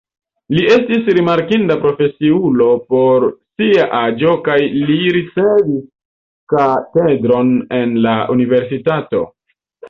Li estis rimarkinda profesiulo por sia aĝo kaj li ricevis katedron en la universitato.